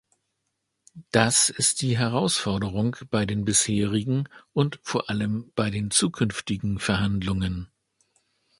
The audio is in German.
Das ist die Herausforderung bei den bisherigen und vor allem bei zukünftigen Verhandlungen.